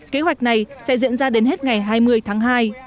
kế hoạch này sẽ diễn ra đến hết ngày hai mươi tháng hai